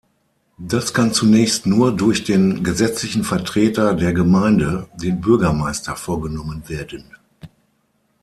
Das kann zunächst nur durch den gesetzlichen Vertreter der Gemeinde, den Bürgermeister, vorgenommen werden.